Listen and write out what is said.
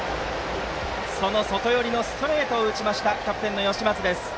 外寄りのストレートを打ちましたキャプテンの吉松です。